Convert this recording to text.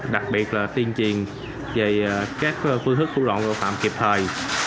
đặc biệt là tuyên truyền về các phương thức thủ đoạn tội phạm kịp thời